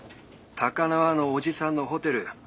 ☎高輪のおじさんのホテル